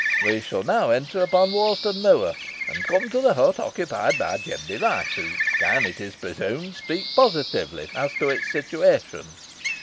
We shall now enter upon Worston Moor, and come to the hut occupied by Jem Device, who can, it is presumed, speak positively as to its situation."